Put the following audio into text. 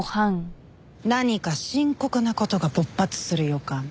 何か深刻な事が勃発する予感。